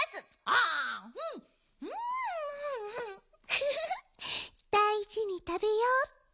フフフだいじにたべようっと。